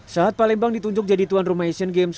saat palembang ditunjuk jadi tuan rumah asian games